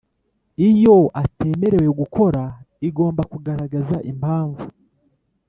Iyo atemerewe gukora igomba kugaragaza impamvu